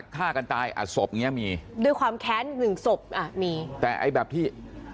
ตายอ่ะสวบอย่างเงี้ยมีด้วยความแค้นถึงศพอ่ะมีแต่ไอไบท์ที่